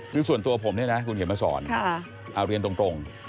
คือส่วนตัวผมเนี่ยนะคุณเขียนมาสอนเอาเรียนตรง